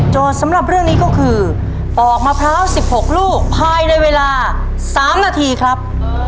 สำหรับเรื่องนี้ก็คือปอกมะพร้าว๑๖ลูกภายในเวลา๓นาทีครับ